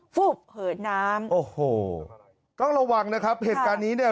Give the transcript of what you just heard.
ฟุบเหินน้ำโอ้โหต้องระวังนะครับเหตุการณ์นี้เนี่ย